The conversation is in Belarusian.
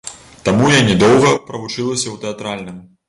Таму я не доўга правучылася ў тэатральным.